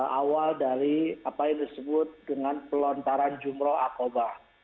awal dari apa yang disebut dengan pelontaran jumroh akobah